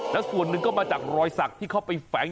แล้วส่วนหนึ่งก็มาจากรอยสักที่เข้าไปแฝง